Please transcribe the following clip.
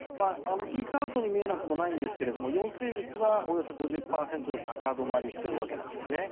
ピークアウトに見えなくもないんですが陽性率はおよそ５０％と高止まりしているわけですね。